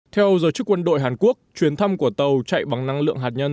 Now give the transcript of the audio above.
theo giới chức quân đội hàn quốc chuyến thăm của tàu chạy bằng năng lượng hạt nhân